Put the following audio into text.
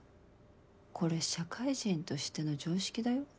これ社会人としての常識だよ。